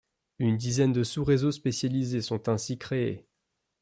Une dizaine de sous-réseaux spécialisés sont ainsi créés.